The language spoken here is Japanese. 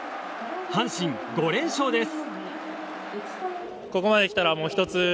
阪神、５連勝です。